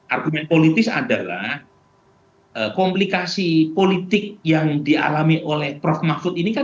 argumen politis adalah komplikasi politik yang dialami oleh prof mahfud ini kan